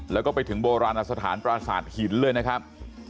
แล้วก็ไปถึงโบราณอสถานปราสาทหินเลยนะครับ